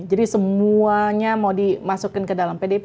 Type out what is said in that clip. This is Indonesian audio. jadi semuanya mau dimasukin ke dalam pdp